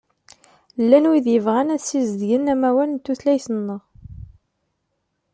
Llan wid yebɣan ad sizedgen amawal n tutlayt-nneɣ.